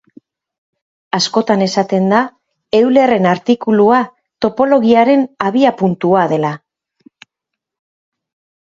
Askotan esaten da Eulerren artikulua topologiaren abiapuntua dela.